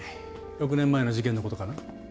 ６年前の事件の事かな？